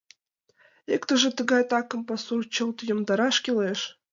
Иктыже тыгай: такыр пасум чылт йомдараш кӱлеш.